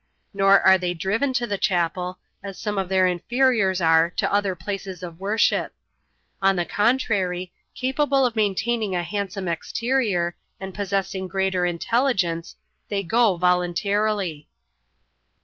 Nor are they driven to the chapel, as some of their inferiors are to other places of worship ; on the ccmtrary, capable of main taining a handsome exterior, and possessing greater intelligence, they go voluntarily.